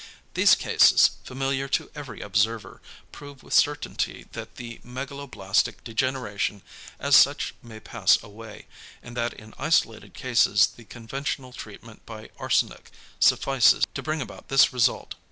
These cases, familiar to every observer, prove with certainty that the megaloblastic degeneration as such may pass away, and that in isolated cases the conventional treatment by arsenic suffices to bring about this result.